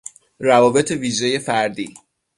روابط ویژهی فردی